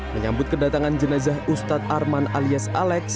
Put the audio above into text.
menyambut kedatangan jenazah ustadz arman alias alex